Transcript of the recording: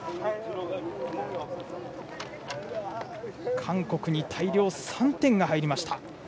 韓国に大量３点が入りました。